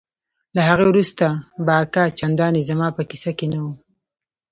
له هغې ورځې وروسته به اکا چندانې زما په کيسه کښې نه و.